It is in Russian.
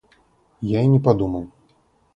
Я и не подумал.